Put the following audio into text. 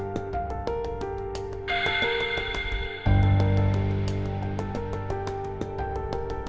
nggak ada yang mencerigakan